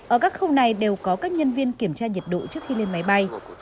ở các khung này đều có các nhân viên kiểm tra nhiệt độ trước khi lên máy bay